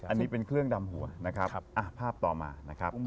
อันนี้เป็นเครื่องดำหัวนะครับภาพต่อมานะครับ